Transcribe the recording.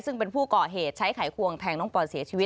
ซึ่งเป็นผู้ก่อเหตุใช้ไขควงแทงน้องปอนเสียชีวิต